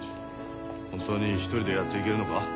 本当に一人でやっていけるのか？